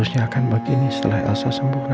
siapa denny setiano